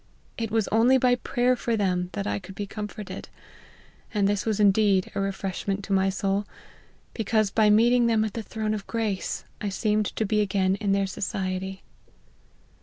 It was only by prayer for them that I could be comforted ; and this was indeed a refreshment to my soul, because by meet ing them at the throne of grace, I seemed to be again in their society."